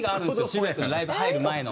渋谷君ライブ入る前の。